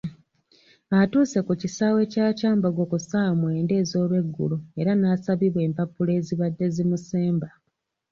Atuuse ku kisaawe kya Kyambogo ku ssaawa mwenda ez'olweggulo era n'asabibwa empapula ezibadde zimusemba.